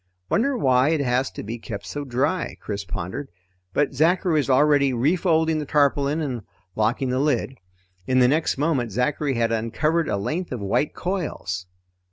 Wonder why it has to be kept so dry? Chris pondered, but Zachary was already refolding the tarpaulin and locking the lid. In the next moment, Zachary had uncovered a length of white coils.